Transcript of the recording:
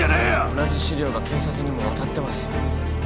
同じ資料が検察にも渡ってます